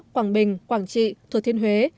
quảng bình quảng trị thuật thiên huế